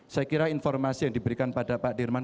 saya kira informasi yang diberikan pada pak dirman